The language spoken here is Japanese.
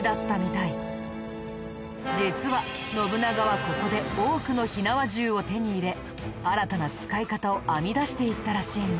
実は信長はここで多くの火縄銃を手に入れ新たな使い方を編み出していったらしいんだ。